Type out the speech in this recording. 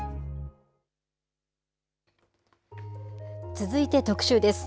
続いて特集です。